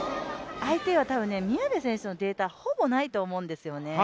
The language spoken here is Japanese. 相手は多分、宮部選手のデータ、ほぼないと思うんですよね。